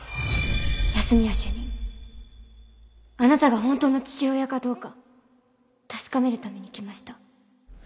安洛主任あなたが本当の父親かどうか確かめるために来ました。